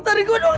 tarik gue dong